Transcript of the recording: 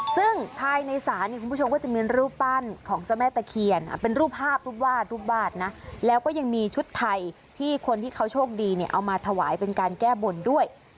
ซึ่งภายในศาลเนี่ยคุณผู้ชมก็จะมีรูปปั้นของเจ้าแม่ตะเคียนเป็นรูปภาพรูปวาดรูปวาดนะแล้วก็ยังมีชุดไทยที่คนที่เขาโชคดีเนี่ยเอามาถวายเป็นการแก้บนด้วย